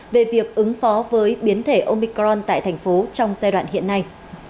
về việc ứng phó với biến thể omicron tại thành phố trong giai đoạn hiện nay